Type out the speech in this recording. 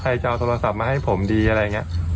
จะเอาโทรศัพท์มาให้ผมดีอะไรอย่างนี้